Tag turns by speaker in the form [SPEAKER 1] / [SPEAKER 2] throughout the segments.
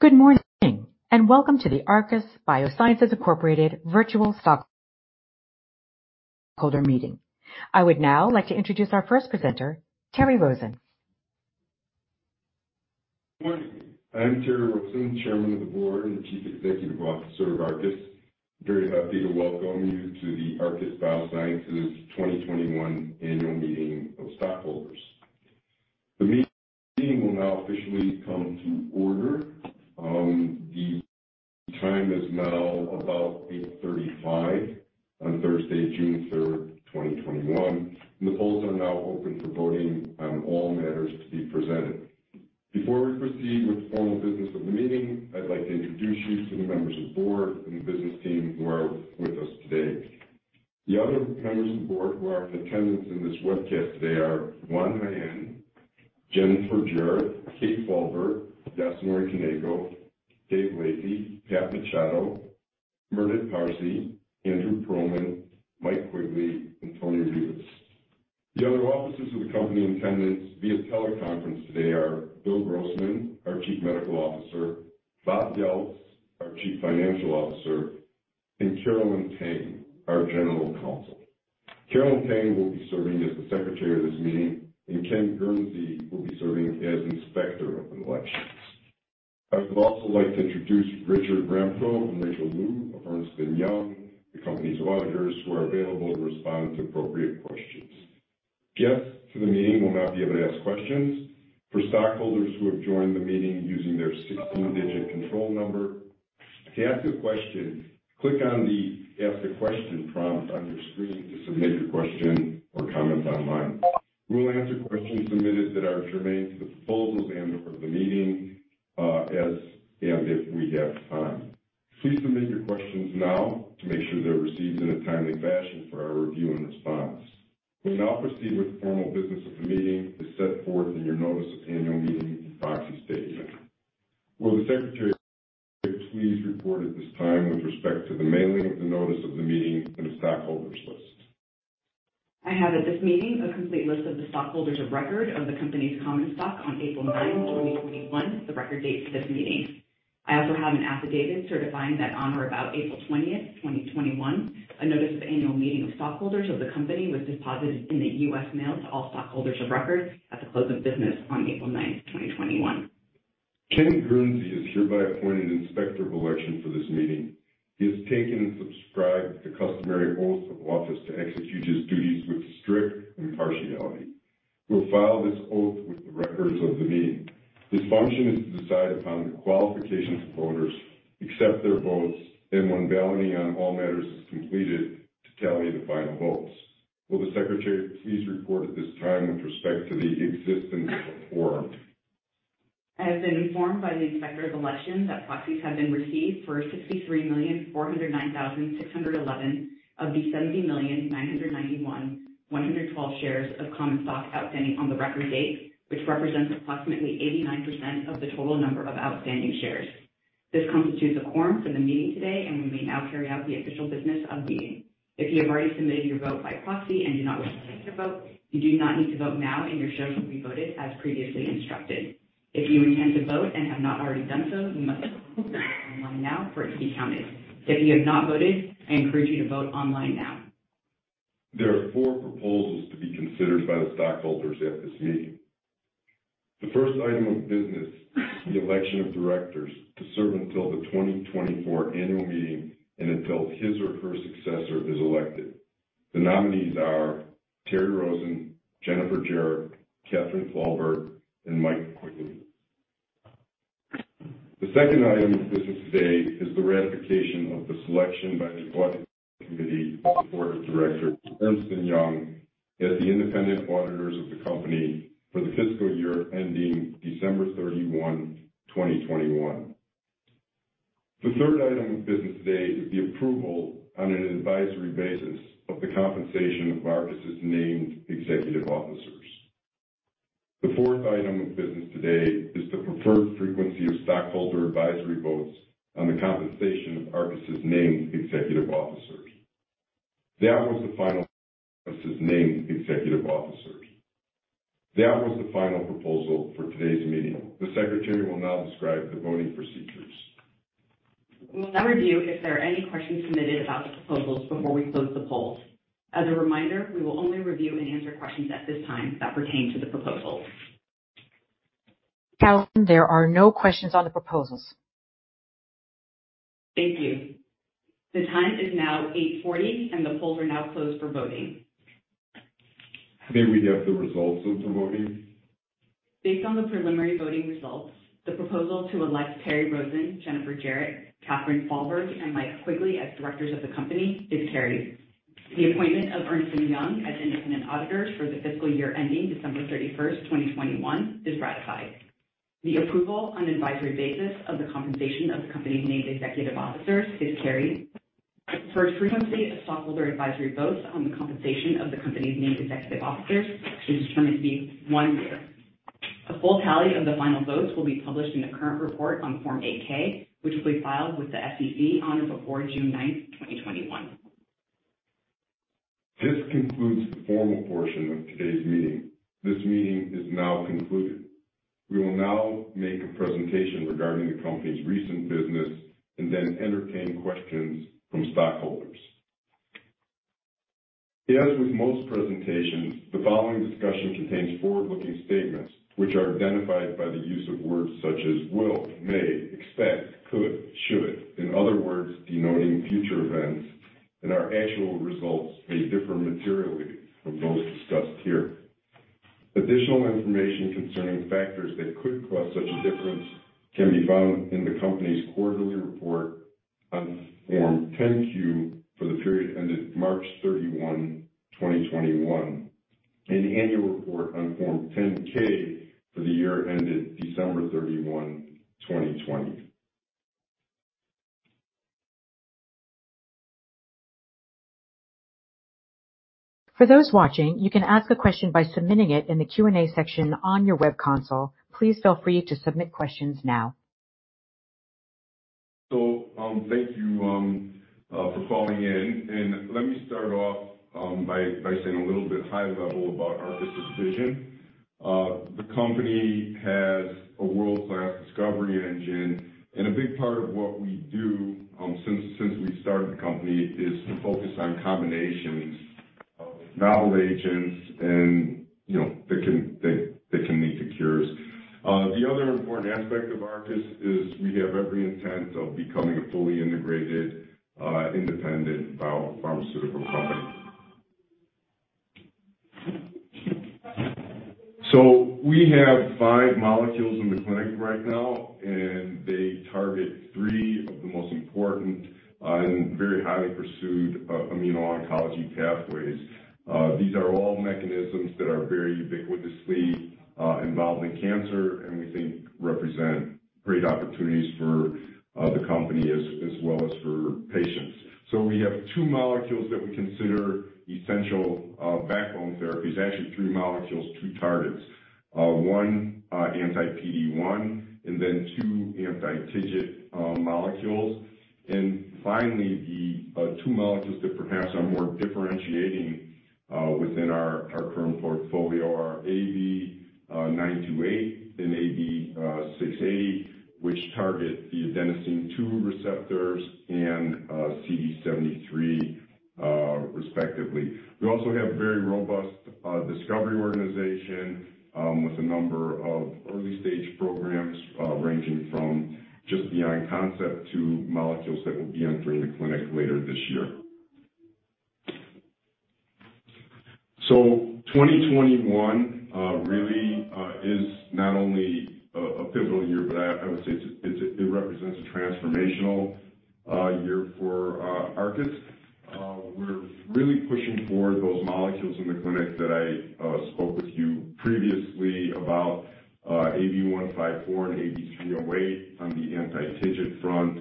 [SPEAKER 1] Good morning. Welcome to the Arcus Biosciences, Inc. virtual stockholder meeting. I would now like to introduce our first presenter, Terry Rosen.
[SPEAKER 2] Good morning. I'm Terry Rosen, Chairman of the Board and Chief Executive Officer of Arcus. Very happy to welcome you to the Arcus Biosciences 2021 annual meeting of stockholders. The meeting will now officially come to order. The time is now about 8:35 A.M. on Thursday, June 3rd, 2021, and the polls are now open for voting on all matters to be presented. Before we proceed with the formal business of the meeting, I'd like to introduce you to the members of the board and the business team who are with us today. The other members of the board who are in attendance in this webcast today are Juan Jaen, Jennifer Jarrett, Kathryn Falberg, Yasunori Kaneko, David Lacey, Patrick Machado, Mehrdad Parsey, Andrew Perlman, Michael Quigley, and Tony Reeves. The other officers of the company in attendance via teleconference today are William Grossman, our Chief Medical Officer, Bob Goeltz, our Chief Financial Officer, and Carolyn Tang, our General Counsel. Carolyn Tang will be serving as the secretary of this meeting, and Kenneth L. Guernsey will be serving as inspector of elections. I would also like to introduce Richard Rampro and Rachel Lu of Ernst & Young, the company's auditors, who are available to respond to appropriate questions. Guests to the meeting will not be able to ask questions. For stockholders who have joined the meeting using their 16-digit control number, to ask a question, click on the Ask a Question prompt on your screen to submit your question or comments online. We will answer questions submitted that are germane to the proposals and/or the meeting, as and if we have time. Please submit your questions now to make sure they're received in a timely fashion for our review and response. We now proceed with the formal business of the meeting as set forth in your notice of annual meeting and proxy statement. Will the secretary please report at this time with respect to the mailing of the notice of the meeting and the stockholders list?
[SPEAKER 3] I have at this meeting a complete list of the stockholders of record of the company's common stock on April 9th, 2021, the record date for this meeting. I also have an affidavit certifying that on or about April 20th, 2021, a notice of annual meeting of stockholders of the company was deposited in the U.S. mail to all stockholders of record at the close of business on April 9th, 2021.
[SPEAKER 2] Kenneth L. Guernsey is hereby appointed Inspector of Elections for this meeting. He has taken and subscribed the customary oath of office to execute his duties with strict impartiality. We'll file this oath with the records of the meeting. His function is to decide upon the qualifications of voters, accept their votes, and when balloting on all matters is completed, to tally the final votes. Will the secretary please report at this time with respect to the existence of a quorum?
[SPEAKER 3] I have been informed by the Inspector of Elections that proxies have been received for 63,409,611 of the 70,991,112 shares of common stock outstanding on the record date, which represents approximately 89% of the total number of outstanding shares. This constitutes a quorum for the meeting today, and we may now carry out the official business of the meeting. If you have already submitted your vote by proxy and do not wish to cast your vote, you do not need to vote now, and your shares will be voted as previously instructed. If you intend to vote and have not already done so, you must vote online now for it to be counted. If you have not voted, I encourage you to vote online now.
[SPEAKER 2] There are four proposals to be considered by the stockholders at this meeting. The first item of business is the election of directors to serve until the 2024 annual meeting and until his or her successor is elected. The nominees are Terry Rosen, Jennifer Jarrett, Kathryn Falberg, and Michael Quigley. The second item of business today is the ratification of the selection by the Audit Committee of the Board of Directors of Ernst & Young as the independent auditors of the company for the fiscal year ending December 31, 2021. The third item of business today is the approval on an advisory basis of the compensation of Arcus' named executive officers. The fourth item of business today is the preferred frequency of stockholder advisory votes on the compensation of Arcus' named executive officers. That was the final named executive officer. That was the final proposal for today's meeting. The secretary will now describe the voting procedures.
[SPEAKER 3] We will now review if there are any questions submitted about the proposals before we close the polls. As a reminder, we will only review and answer questions at this time that pertain to the proposals.
[SPEAKER 1] Carolyn, there are no questions on the proposals.
[SPEAKER 3] Thank you. The time is now 8:40 A.M., and the polls are now closed for voting.
[SPEAKER 2] May we have the results of the voting?
[SPEAKER 3] Based on the preliminary voting results, the proposal to elect Terry Rosen, Jennifer Jarrett, Kathryn Falberg, and Michael Quigley as directors of the company is carried. The appointment of Ernst & Young as independent auditors for the fiscal year ending December 31st, 2021, is ratified. The approval on an advisory basis of the compensation of the company's named executive officers is carried. Preferred frequency of stockholder advisory votes on the compensation of the company's named executive officers is determined to be one year. A full tally of the final votes will be published in the current report on Form 8-K, which will be filed with the SEC on or before June 9th, 2021.
[SPEAKER 2] This concludes the formal portion of today's meeting. This meeting is now concluded. We will now make a presentation regarding the company's recent business and then entertain questions from stockholders. As with most presentations, the following discussion contains forward-looking statements, which are identified by the use of words such as "will," "may," "expect," "could," "should," and other words denoting future events, and our actual results may differ materially from those discussed here. Additional information concerning factors that could cause such a difference can be found in the company's quarterly report on Form 10-Q for the period ended March 31, 2021, and annual report on Form 10-K for the year ended December 31, 2020.
[SPEAKER 1] For those watching, you can ask a question by submitting it in the Q&A section on your web console. Please feel free to submit questions now.
[SPEAKER 2] Thank you for calling in, and let me start off by saying a little bit high level about Arcus' vision. The company has a world-class discovery engine, and a big part of what we do, since we started the company, is to focus on combinations of novel agents that can lead to cures. The other important aspect of Arcus is we have every intent of becoming a fully integrated, independent biopharmaceutical company. We have five molecules in the clinic right now, and they target three of the most important and very highly pursued immuno-oncology pathways. These are all mechanisms that are very ubiquitously involved in cancer, and we think represent great opportunities for the company as well as for patients. We have two molecules that we consider essential backbone therapies, actually three molecules, two targets, one anti-PD-1 and then two anti-TIGIT molecules. Finally, the two molecules that perhaps are more differentiating within our current portfolio are AB928 and AB680, which target the adenosine 2 receptors and CD73 respectively. We also have a very robust discovery organization with a number of early-stage programs ranging from just beyond concept to molecules that will be entering the clinic later this year. 2021 really is not only a pivotal year, but I would say it represents a transformational year for Arcus. We're really pushing forward those molecules in the clinic that I spoke with you previously about, AB154 and AB308 on the anti-TIGIT front,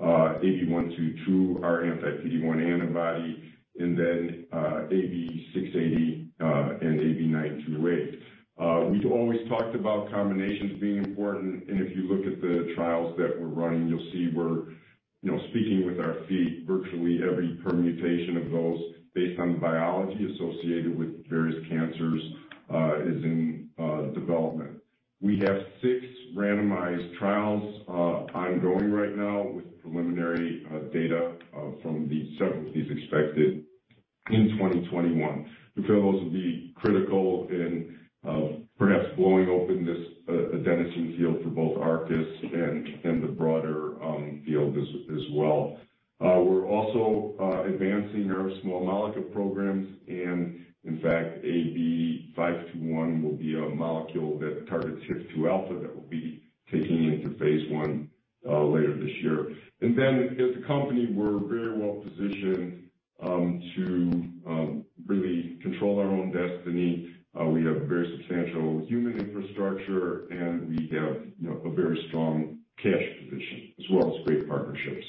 [SPEAKER 2] AB122, our anti-PD-1 antibody, and then AB680 and AB928. We've always talked about combinations being important, and if you look at the trials that we're running, you'll see we're speaking with our feet. Virtually every permutation of those based on biology associated with various cancers is in development. We have six randomized trials ongoing right now with preliminary data from several of these expected in 2021. We feel those will be critical in perhaps blowing open this adenosine field for both Arcus and the broader field as well. We're also advancing our small molecule programs. In fact, AB521 will be a molecule that targets HIF-2α that will be taking into phase I later this year. As a company, we're very well positioned to really control our own destiny. We have very substantial human infrastructure, and we have a very strong cash position as well as great partnerships.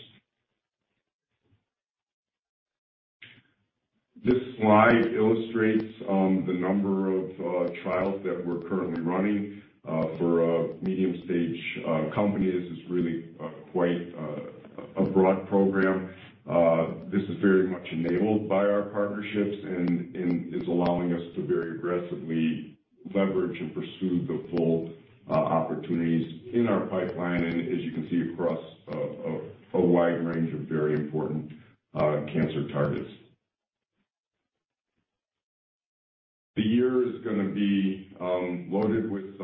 [SPEAKER 2] This slide illustrates the number of trials that we're currently running. For a medium-stage company, this is really quite a broad program. This is very much enabled by our partnerships and is allowing us to very aggressively leverage and pursue the full opportunities in our pipeline, and as you can see, across a wide range of very important cancer targets. The year is going to be loaded with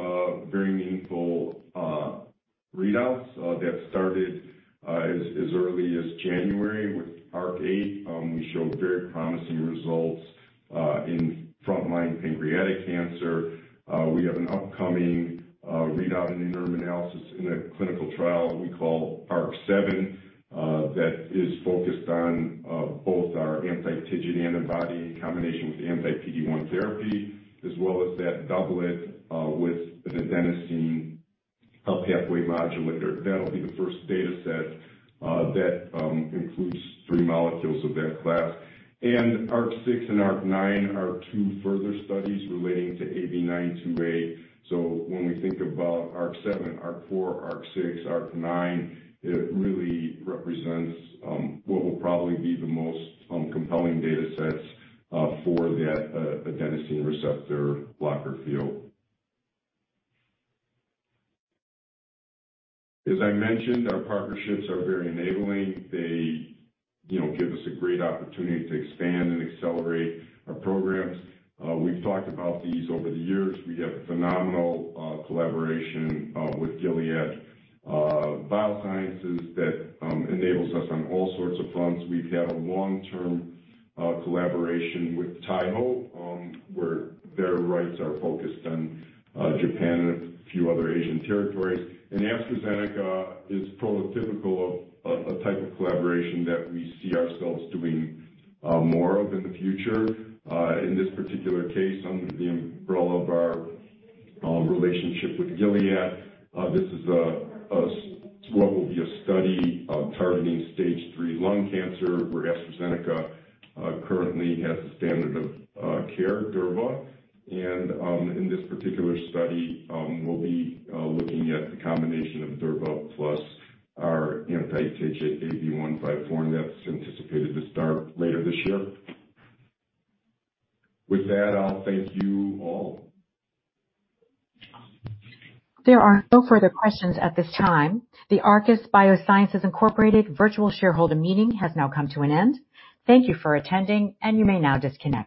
[SPEAKER 2] very meaningful readouts that started as early as January with ARC-8. We showed very promising results in frontline pancreatic cancer. We have an upcoming readout and interim analysis in a clinical trial we call ARC-7 that is focused on both our anti-TIGIT antibody in combination with anti-PD-1 therapy, as well as that doublet with an adenosine pathway modulator. That'll be the first data set that includes three molecules of that class. ARC-6 and ARC-9 are two further studies relating to AB928. When we think about ARC-7, ARC-4, ARC-6, ARC-9, it really represents what will probably be the most compelling data sets for that adenosine receptor blocker field. As I mentioned, our partnerships are very enabling. They give us a great opportunity to expand and accelerate our programs. We've talked about these over the years. We have phenomenal collaboration with Gilead Sciences that enables us on all sorts of fronts. We have a long-term collaboration with Taiho, where their rights are focused on Japan and a few other Asian territories. AstraZeneca is prototypical of a type of collaboration that we see ourselves doing more of in the future. In this particular case, under the umbrella of our relationship with Gilead, this is what will be a study targeting stage 3 lung cancer where AstraZeneca currently has the standard of care, Durva. In this particular study, we'll be looking at the combination of Durva plus our anti-TIGIT AB154, and that's anticipated to start later this year. With that, I'll thank you all.
[SPEAKER 1] There are no further questions at this time. The Arcus Biosciences, Inc. Virtual Shareholder Meeting has now come to an end. Thank you for attending, and you may now disconnect.